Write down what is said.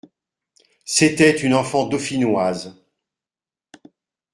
C'était une enfant dauphinoise.